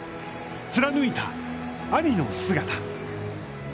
貫いた兄の姿。